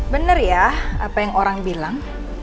benar ya apa yang orang bilang